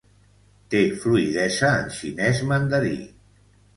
Té fluïdesa en xinès mandarí.